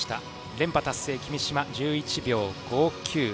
連覇達成の君嶋、１１秒５９。